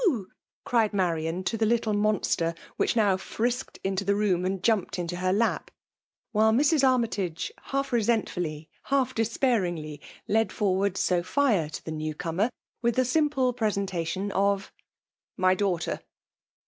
— ctied Mfloiiai id the liltle monBter, which now frisked into the voons, and jumped into her lap ; K^hSe Mik Aim^agej half resentiuUy^ half despair ^ ingly> led Arward Sophia to the new eomer^ with thii« simple presentation of —'* My daughter.